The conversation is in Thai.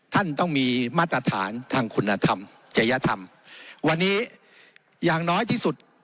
ท่านต้องมีมาตรฐานทางคุณธรรมจริยธรรมวันนี้อย่างน้อยที่สุด